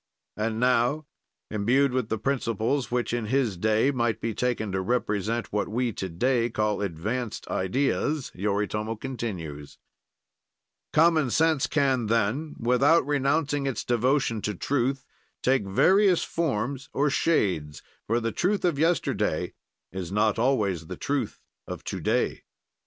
And now, imbued with the principles which in his day might be taken to represent what we to day call advanced ideas, Yoritomo continues: "Common sense can, then, without renouncing its devotion to truth, take various forms or shades, for the truth of yesterday is not always the truth of to day.